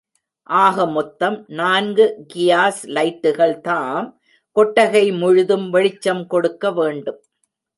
ஆக மொத்தம் நான்கு கியாஸ் லைட்டுகள் தாம் கொட்டகை முழுதும் வெளிச்சம் கொடுக்க வேண்டும்.